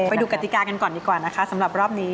ไปดูกติกากันก่อนดีกว่านะคะสำหรับรอบนี้